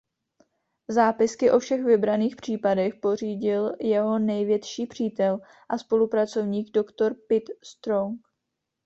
Zápisky o všech vybraných případech pořídil jeho největší přítel a spolupracovník doktor Pitt Strong.